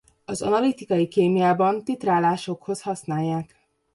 Az analitikai kémiában titrálásokhoz használják.